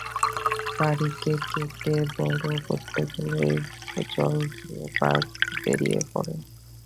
পাড়িকে কেটে বড়ো করতে গেলেই তার জল ফুরিয়ে পাঁক বেরিয়ে পড়ে।